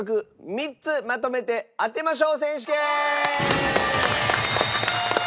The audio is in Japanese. ３つまとめて当てましょう選手権。